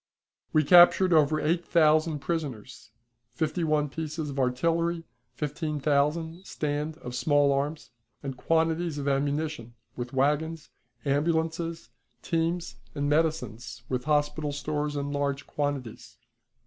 We captured over eight thousand prisoners, fifty one pieces of artillery, fifteen thousand stand of small arms, and quantities of ammunition, with wagons, ambulances, teams, and medicines with hospital stores in large quantities.